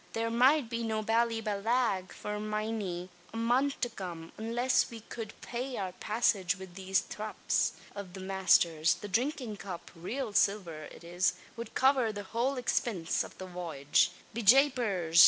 Thare might be no Ballyballagh for miny a month to come; unliss we cowld pay our passage wid these thraps av the masther's. The drinkin' cup raal silver it is wud cover the whole expinse av the voyage. Be japers!